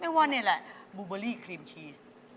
ว่านี่แหละบูเบอรี่ครีมชีส